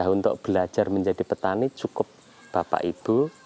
untuk belajar menjadi petani cukup bapak ibu